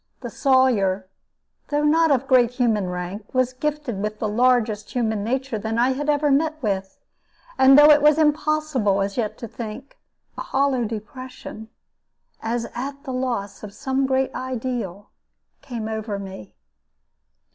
The Sawyer, though not of great human rank, was gifted with the largest human nature that I had ever met with. And though it was impossible as yet to think, a hollow depression, as at the loss of some great ideal, came over me.